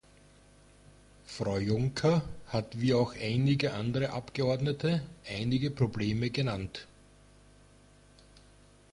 Frau Junker hat wie auch einige andere Abgeordnete einige Probleme genannt.